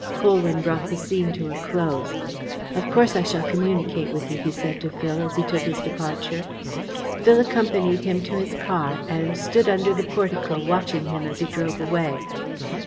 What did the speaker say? Colwyn brought the scene to a close. "Of course I shall communicate with you," he said to Phil, as he took his departure. Phil accompanied him to his car, and stood under the portico watching him as he drove away.